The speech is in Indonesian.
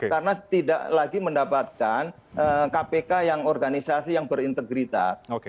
karena tidak lagi mendapatkan kpk yang organisasi yang berintegritas